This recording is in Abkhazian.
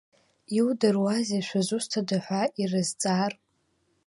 Иудыруазеи, шәызусҭа ҳәа ирызҵаар.